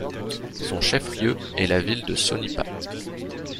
Son chef-lieu est la ville de Sonipat.